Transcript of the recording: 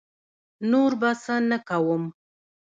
نور به څه نه کووم.